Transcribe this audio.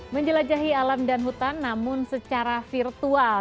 menjelajahi alam dan hutan namun secara virtual